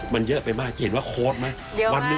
มันเยอะไปมากจะเห็นว่าโค้ดไหม